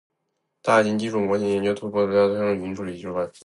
大型基础模型的研究突破，极大地推动了语音处理技术的发展。